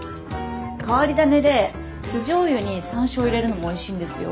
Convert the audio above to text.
変わり種で酢じょうゆに山椒を入れるのもおいしいんですよ。